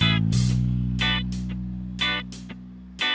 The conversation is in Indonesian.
aku mau panggil nama atu